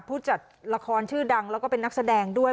ผู้จัดละครชื่อดังแล้วก็เป็นนักแสดงด้วย